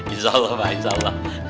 insya allah pak insya allah